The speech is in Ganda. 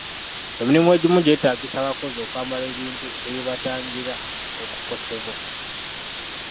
Emirimu egimu gyeetaagisa abakozi okwambala ebintu ebibatangira okukosebwa.